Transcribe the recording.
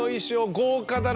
豪華だろ？